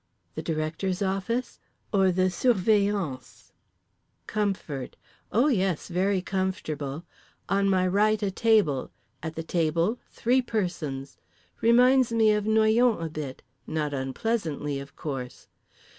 The Directeur's office? Or The Surveillant's? Comfort. O yes, very, very comfortable. On my right a table. At the table three persons. Reminds me of Noyon a bit, not unpleasantly of course.